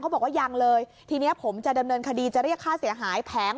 บอกว่ายังเลยทีนี้ผมจะดำเนินคดีจะเรียกค่าเสียหายแผง